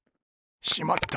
しまった！